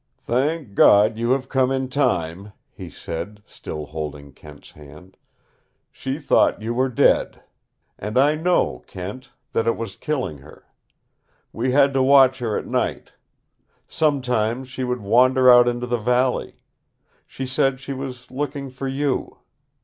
"Thank God you have come in time!" he said, still holding Kent's hand. "She thought you were dead. And I know, Kent, that it was killing her. We had to watch her at night. Sometimes she would wander out into the valley. She said she was looking for you.